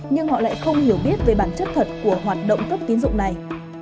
nhưng họ lại không hiểu biết về bản chất thật của hoạt động cấp tín dụng này